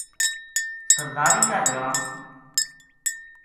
سرداری کا گراں